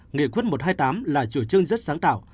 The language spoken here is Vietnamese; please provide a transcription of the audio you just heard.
nghị quyết một trăm hai mươi tám là chủ trương rất sáng tạo